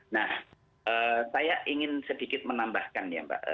nah saya ingin sedikit menambahkan ya mbak